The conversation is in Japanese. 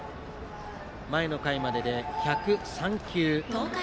前の回までで１０３球。